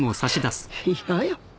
嫌よ。